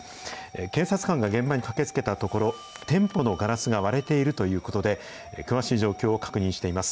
警察官が現場に駆けつけたところ、店舗のガラスが割れているということで、詳しい状況を確認しています。